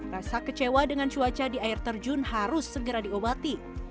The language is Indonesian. rasa kecewa dengan cuaca di air terjun harus segera diobati